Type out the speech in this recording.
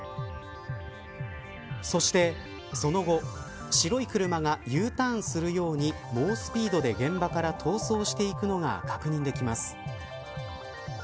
そして、その後、白い車がＵターンするように猛スピードで現場から逃走していくのが確認できます。